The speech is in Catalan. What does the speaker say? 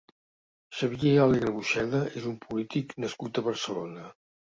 Xavier Alegre Buxeda és un polític nascut a Barcelona.